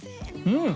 うん！